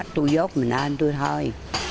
tôi vốt mình lên tôi thôi